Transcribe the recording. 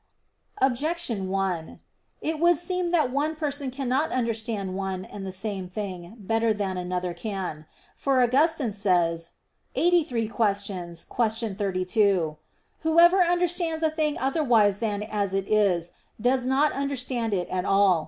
Objection 1: It would seem that one person cannot understand one and the same thing better than another can. For Augustine says (QQ. 83, qu. 32), "Whoever understands a thing otherwise than as it is, does not understand it at all.